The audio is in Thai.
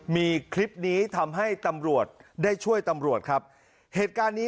มีคลิปนี้ทำให้ตำรวจได้ช่วยตำรวจครับเหตุการณ์นี้